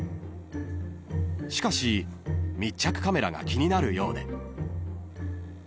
［しかし密着カメラが気になるようで］